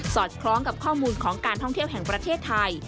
อดคล้องกับข้อมูลของการท่องเที่ยวแห่งประเทศไทย